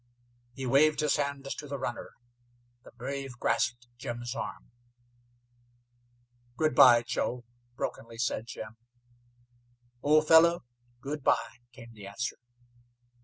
He waved his hand to the runner. The brave grasped Jim's arm. "Good by, Joe," brokenly said Jim. "Old fellow, good by," came the answer.